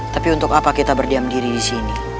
tapi untuk apa kita berdiam diri disini